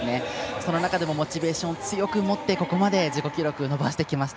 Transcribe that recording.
その中でもモチベーションを強く持ってここまで自己記録を伸ばしてきました。